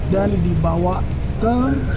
dan dibawa ke